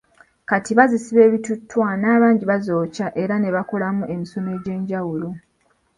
Kati bazisiba ebituttwa n'abandi bazokya era ne bakolamu emisono egy'enjwulo.